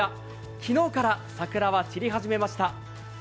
昨日から桜は散り始めました。